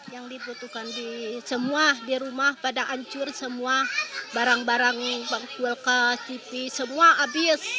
yang dibutuhkan di semua di rumah pada hancur semua barang barang kulkas tv semua habis